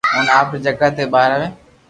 اوني آپري جگھ تي ٻآراوين